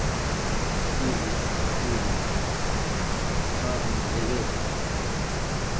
Idir, idir, leqraṛ-nneɣ d agadir.